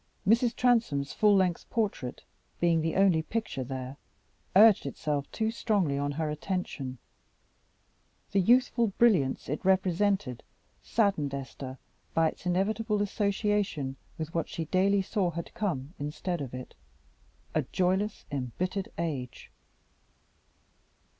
Mrs. Transome's full length portrait, being the only picture there, urged itself too strongly on her attention: the youthful brilliancy it represented saddened Esther by its inevitable association with what she daily saw had come instead of it a joyless, embittered age.